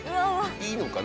いいのかな？